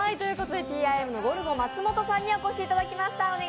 ＴＩＭのゴルゴ松本さんにお越しいただきました。